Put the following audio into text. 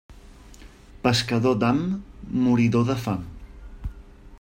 Pescador d'ham, moridor de fam.